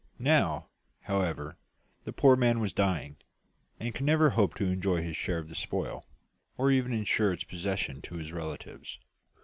Now, however, the poor man was dying, and could never hope to enjoy his share of the spoil, or even insure its possession to his relatives.